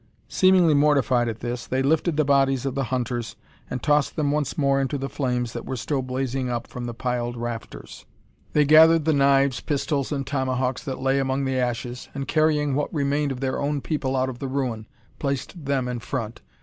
Seemingly mortified at this, they lifted the bodies of the hunters, and tossed them once more into the flames that were still blazing up from the piled rafters. They gathered the knives, pistols, and tomahawks that lay among the ashes; and carrying what remained of their own people out of the ruin, placed them in front.